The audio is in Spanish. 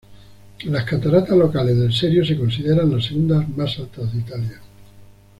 Las cataratas locales del Serio se consideran las segundas más altas de Italia.